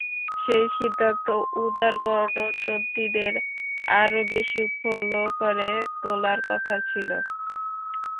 সেই সিদ্ধান্ত উদার গণতন্ত্রীদের আরও বেশি উৎফুল্ল করে তোলার কথা ছিল।